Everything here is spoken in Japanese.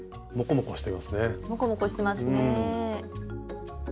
モコモコしてますね。